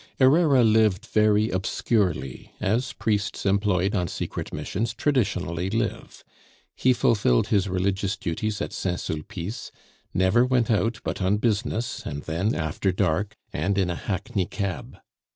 Herrera lived very obscurely, as priests employed on secret missions traditionally live. He fulfilled his religious duties at Saint Sulpice, never went out but on business, and then after dark, and in a hackney cab.